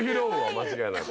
間違いなく。